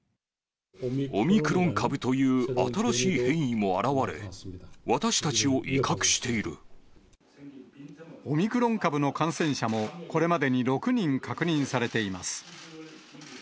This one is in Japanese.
オミクロン株という新しい変オミクロン株の感染者も、これまでに６人確認されています。